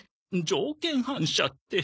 条件反射って。